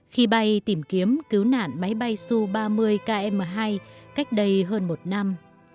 khi bay tìm kiếm cứu nạn máy bay su ba mươi km hai cách đây hơn một năm